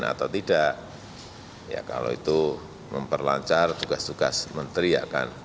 dan juga mengenai perubahan yang berkaitan dengan perubahan